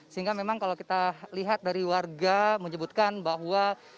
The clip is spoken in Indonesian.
sehingga memang kalau kita lihat dari warga menyebutkan bahwa